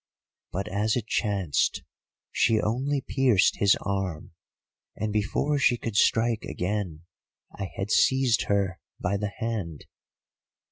"But as it chanced, she only pierced his arm, and before she could strike again I had seized her by the hand.